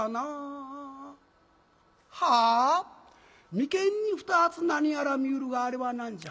「眉間に２つ何やら見うるがあれは何じゃ？